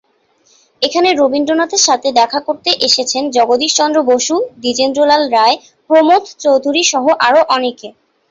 এখানে রবীন্দ্রনাথের সাথে দেখা করতে এসেছেন জগদীশ চন্দ্র বসু, দ্বিজেন্দ্রলাল রায়, প্রমথ চৌধুরী সহ আরো অনেকে।